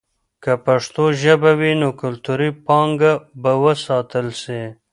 که پښتو ژبه وي، نو کلتوري پانګه به وساتل سي.